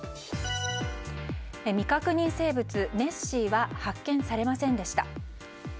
未確認生物ネッシーは発見されませんでした。